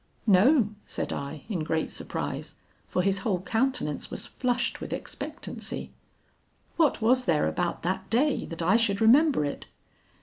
"'No,' said I, in great surprise, for his whole countenance was flushed with expectancy. 'What was there about that day that I should remember it?'